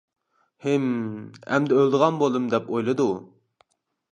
ھىم، ئەمدى ئۆلىدىغان بولدۇم دەپ ئويلىدى ئۇ.